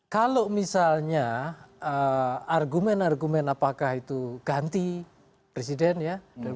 kalau misalnya argumen argumen apakah itu ganti presiden ya